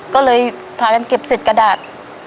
ก็เลยพากันเก็บเศษกระดาษ